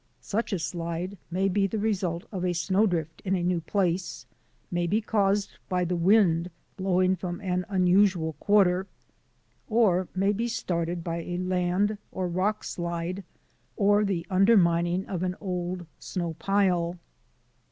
Such a slide may be the result of a snowdrift in a new place, may be caused by the wind blowing from an unusual quar ter, or may be started by a land or rock slide or the undermining of an old snow pile.